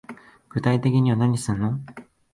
具体的には何すんの